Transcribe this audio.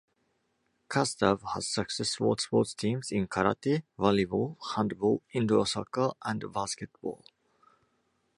Kastav has successful sports teams in karate, volleyball, handball, indoor-soccer and, basketball.